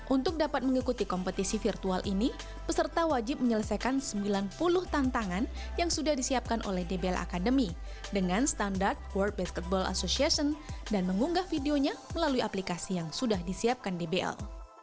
untuk dapat mengikuti kompetisi virtual ini peserta wajib menyelesaikan sembilan puluh tantangan yang sudah disiapkan oleh dbl academy dengan standar world basketball association dan mengunggah videonya melalui aplikasi yang sudah disiapkan dbl